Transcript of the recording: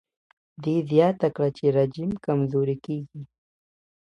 ده زیاته کړه چې رژیم کمزوری کېږي.